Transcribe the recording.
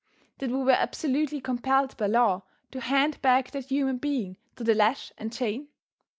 That we were absolutely compelled by law to hand back that human being to the lash and chain?